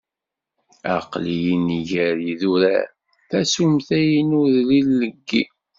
Aqel-iyi-n gar yidurar, tasumta-inu d ileggi.